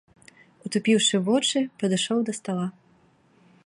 Утупіўшы вочы, падышоў да стала.